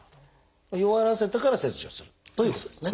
弱らせてから切除するということですね。